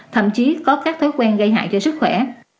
thậm chí có các thói quen gây hại cho sức khỏe